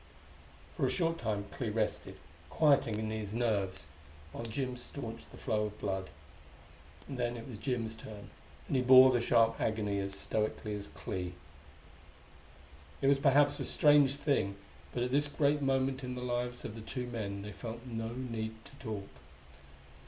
For a short time Clee rested, quieting his nerves, while Jim staunched the flow of blood. And then it was Jim's turn; and he bore the sharp agony as stoically as Clee.... It was perhaps a strange thing; but at this great moment in the lives of the two men they felt no need to talk.